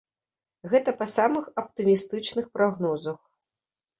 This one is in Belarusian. Гэта па самых аптымістычных прагнозах.